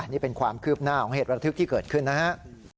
นี่เป็นความคืบหน้าของเหตุระทึกที่เกิดขึ้นนะฮะ